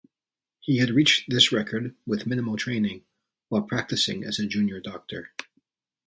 He had reached this record with minimal training, while practising as a junior doctor.